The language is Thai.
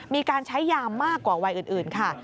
มีการใช้ยามากกว่าวัยอื่นค่ะ